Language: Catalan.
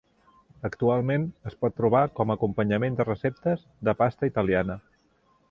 Actualment es pot trobar com acompanyament de receptes de pasta italiana.